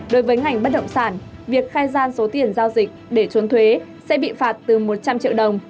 đối với ngành bất động sản việc khai gian số tiền giao dịch để trốn thuế sẽ bị phạt từ một trăm linh triệu đồng